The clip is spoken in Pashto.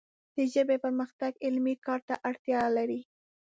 د ژبې پرمختګ علمي کار ته اړتیا لري